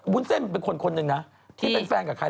วุ้นเส้นเป็นคนคนหนึ่งนะที่เป็นแฟนกับใคร